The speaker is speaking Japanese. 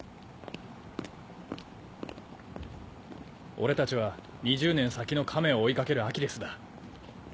俺たちは２０年先のカメを追いかけるアキレスだ。